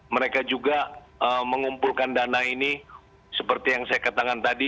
mereka juga mengumpulkan dana ini seperti yang saya katakan tadi